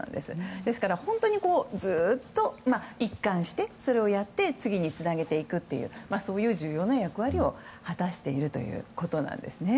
ですから、本当にずっと一貫して次につなげていくという重要な役割を果たしているということなんですね。